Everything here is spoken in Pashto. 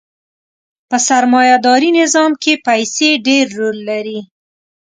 په سرمایه داري نظام کښې پیسې ډېر رول لري.